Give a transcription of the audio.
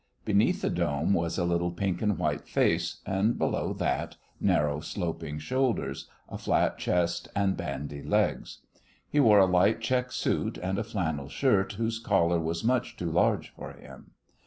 Beneath the dome was a little pink and white face, and below that narrow, sloping shoulders, a flat chest, and bandy legs. He wore a light check suit, and a flannel shirt whose collar was much too large for him.